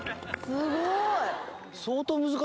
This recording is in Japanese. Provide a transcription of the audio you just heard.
すごい。